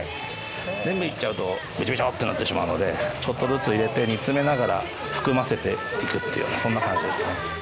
全部いっちゃうとビチョビチョってなってしまうのでちょっとずつ入れて煮詰めながら含ませていくそんな感じですね。